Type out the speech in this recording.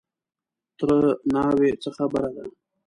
_تره ناوې! څه خبره ده؟